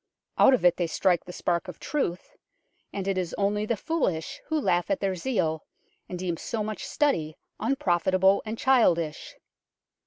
Out of it they strike the spark of truth, and it is only the foolish who laugh at their zeal, and deem so much study unprofitable and childish.